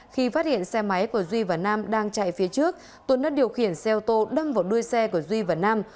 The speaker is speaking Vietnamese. khi phát hiện xe máy của duy và nam đang chạy phía trước tuấn đã điều khiển xe ô tô đâm vào đuôi xe của duy và nam